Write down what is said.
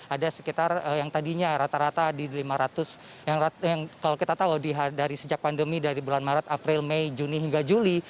ada sekitar yang tadinya rata rata di lima ratus yang kalau kita tahu dari sejak pandemi dari bulan maret april mei juni hingga juli